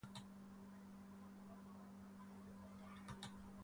Además, es convocado para el partido contra Alianza Petrolera.